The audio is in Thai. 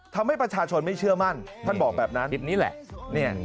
ทำให้ประชาชนไม่เชื่อมั่นท่านบอกแบบนั้นนิดนี้แหละ